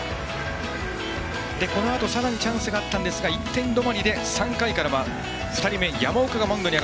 このあとさらにチャンスがあったんですが１点止まりで３回からは２人目の山岡がマウンドに。